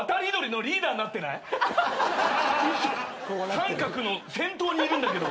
三角の先頭にいるんだけど。